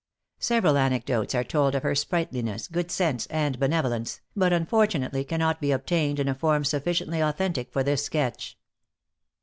Several anecdotes are told of her sprightliness, good sense, and benevolence, but unfortunately cannot be obtained in a form sufficiently authentic for this sketch.